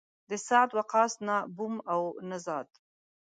د سعد وقاص نه بوم و او نه زاد.